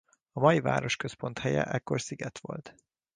A mai városközpont helye ekkor sziget volt.